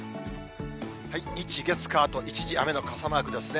日、月、火と一時雨の傘マークですね。